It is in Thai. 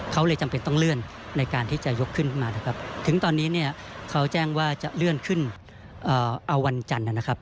เขาเลยจำเป็นต้องเลื่อนในการที่จะยกขึ้นมานะครับถึงตอนนี้เนี่ยเขาแจ้งว่าจะเลื่อนขึ้นเอาวันจันทร์นะครับ